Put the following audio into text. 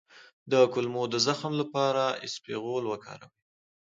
د کولمو د زخم لپاره اسپغول وکاروئ